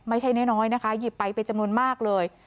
ไม่ใช่น้อยนะคะหยิบไปเป็นจำนวนมากเลย